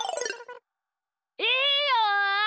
いいよ！